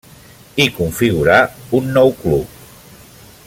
I configurar un nou club.